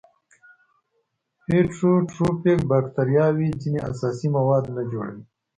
هیټروټروفیک باکتریاوې ځینې اساسي مواد نه جوړوي.